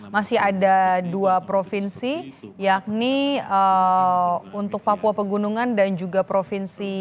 masih ada dua provinsi yakni untuk papua pegunungan dan juga provinsi